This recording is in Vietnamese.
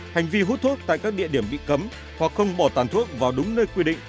hành vi hút thuốc tại các địa điểm bị cấm hoặc không bỏ tàn thuốc vào đúng nơi quy định